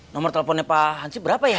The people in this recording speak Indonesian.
nomor teleponnya pak hansi berapa ya